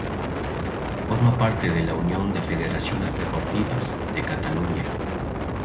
Forma parte de la Unión de Federaciones Deportivas de Cataluña.